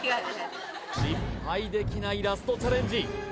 失敗できないラストチャレンジ